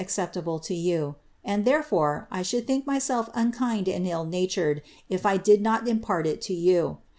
ceptable to you — and therefore I should think myself unkind and ill I did not impart it to you.